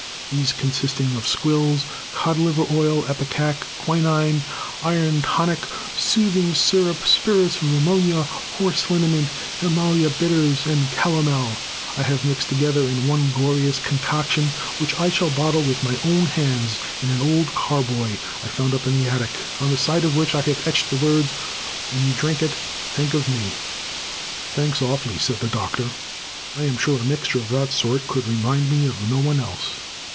These, consisting of squills, cod liver oil, ipecac, quinine, iron tonic, soothing syrup, spirits of ammonia, horse liniment, himalaya bitters, and calomel, I have mixed together in one glorious concoction, which I shall bottle with my own hands in an old carboy I found up in the attic, on the side of which I have etched the words, When You Drink It Think of Me!" "Thanks, awfully," said the Doctor. "I am sure a mixture of that sort could remind me of no one else."